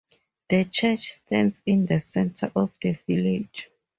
The church stands in the center of the village.